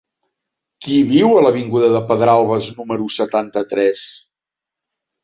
Qui viu a l'avinguda de Pedralbes número setanta-tres?